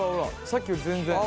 さっきより全然。